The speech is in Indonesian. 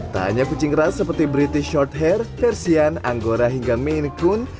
tak hanya kucing rast seperti british shorthair persian angora hingga maine coon